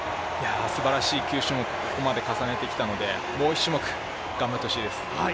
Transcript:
すばらしい９種目ここまで重ねてきたのでもう１種目頑張ってほしいです。